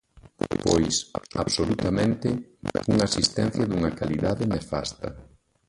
Pois, absolutamente, unha asistencia dunha calidade nefasta.